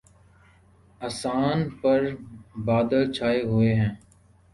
آسان پر بادل چھاۓ ہوۓ ہیں